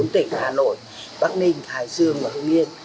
bốn tỉnh hà nội bắc ninh hải dương và hưng yên